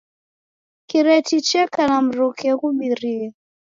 Kireti cheka na mruke ghubirie.